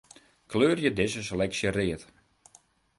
Kleurje dizze seleksje read.